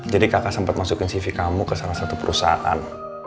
jadi kakak sempat masukin cv kamu ke salah satu perusahaan